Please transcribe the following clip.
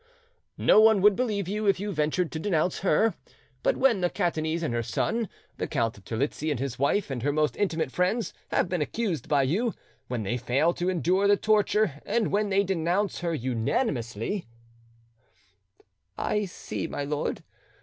"No one would believe you if you ventured to denounce her; but when the Catanese and her son, the Count of Terlizzi and his wife and her most intimate friends, have been accused by you, when they fail to endure the torture, and when they denounce her unanimously—" "I see, my lord.